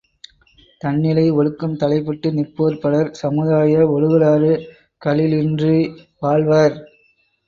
தன்னிலை ஒழுக்கம் தலைப்பட்டு நிற்போர் பலர், சமுதாய ஒழுகலாறுகளின்றி வாழ்வர்.